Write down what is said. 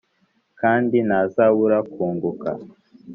kandi ntazabura kunguka